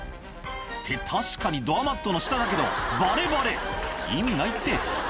「って確かにドアマットの下だけどバレバレ意味ないって」